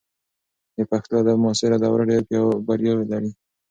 د پښتو ادب معاصره دوره ډېر بریاوې لري.